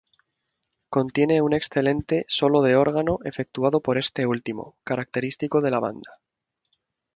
Contiene un excelente solo de órgano efectuado por este último, característico de la banda.